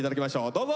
どうぞ。